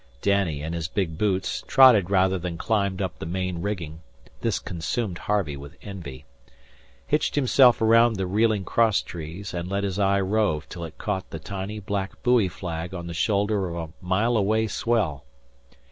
Danny, in his big boots, trotted rather than climbed up the main rigging (this consumed Harvey with envy), hitched himself around the reeling cross trees, and let his eye rove till it caught the tiny black buoy flag on the shoulder of a mile away swell.